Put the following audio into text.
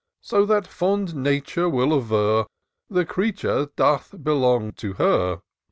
So that fond Nature will aver The creature doth belong to her.